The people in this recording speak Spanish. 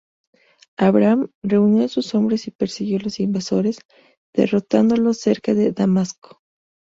Abraham reunió a sus hombres y persiguió a los invasores, derrotándolos cerca de Damasco.